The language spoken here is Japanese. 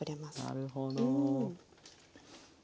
なるほど。